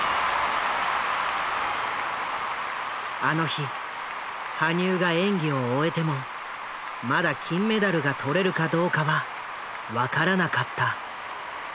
あの日羽生が演技を終えてもまだ金メダルが取れるかどうかは分からなかった。